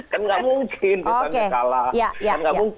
kan gak mungkin misalnya kalah